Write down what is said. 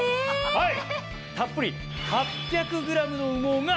はい。